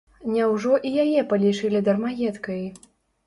Няўжо і яе палічылі дармаедкай?